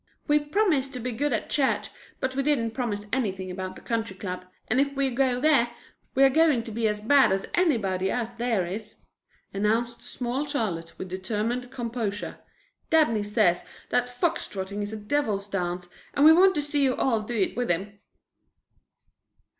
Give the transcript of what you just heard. "We promised to be good at church, but we didn't promise anything about the Country Club, and if we go there we are going to be as bad as anybody out there is," announced small Charlotte with determined composure. "Dabney says that fox trotting is a devil's dance and we want to see you all do it with him."